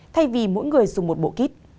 thay vì mỗi người dùng một bộ kit